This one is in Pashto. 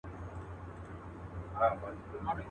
یو بوډا چي وو څښتن د کړوسیانو.